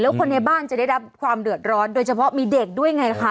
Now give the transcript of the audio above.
คนในบ้านจะได้รับความเดือดร้อนโดยเฉพาะมีเด็กด้วยไงคะ